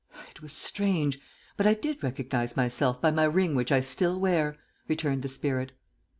"It was strange; but I did recognize myself by my ring which I still wear," returned the spirit.